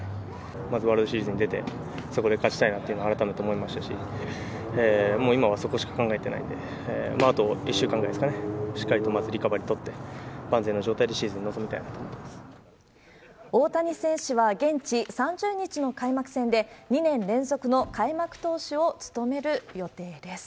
まず、ワールドシリーズに出て、そこで勝ちたいなっていうのを改めて思いましたし、もう今はそこしか考えてないんで、あと１週間ぐらいですかね、しっかりとまずリカバリーとって、万全の状態でシーズンに臨みたい大谷選手は現地３０日の開幕戦で、２年連続の開幕投手を務める予定です。